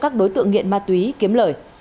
các đối tượng nghiện ma túy kiếm lời